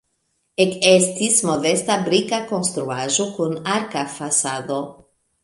Ekestis modesta brika konstruaĵo kun arka fasado.